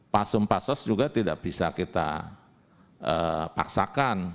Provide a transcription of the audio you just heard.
pasum pasos juga tidak bisa kita paksakan